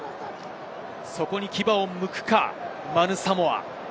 そこに牙をむくか、マヌ・サモア。